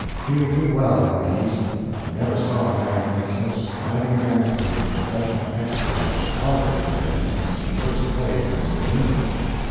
He will do well in the East. You never saw a man make such striding advances in professional excellence as Aldrich has done since he first played in Virginia.